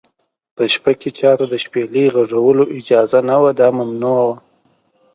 په شپه کې چا ته د شپېلۍ غږولو اجازه نه وه، دا ممنوع و.